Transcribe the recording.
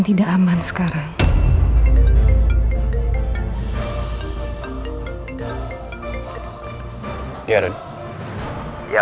dia bukan pelaku yang berpikir